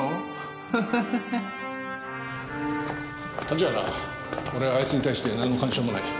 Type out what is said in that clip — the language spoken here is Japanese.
立原俺はあいつに対してなんの感傷もない。